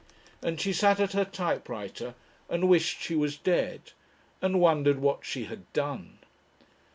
And she sat at her typewriter and wished she was dead and wondered what she had done.